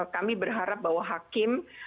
kami berharap bahwa hakim